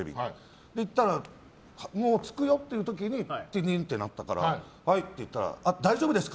そしたら、もう着くよって時にピリンって鳴ったからはいって出たら大丈夫ですか？